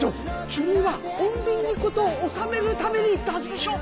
君は穏便に事を収めるために行ったはずでしょ！